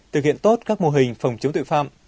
thực hiện tốt các mô hình phòng chống tội phạm